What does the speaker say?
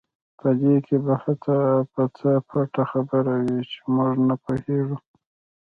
په دې کې به څه پټه خبره وي چې موږ نه پوهېږو.